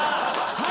はい！